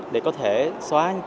để có thể xóa gần cái khoảng cách đó